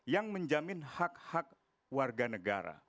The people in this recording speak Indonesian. yang menjamin hak hak warga negara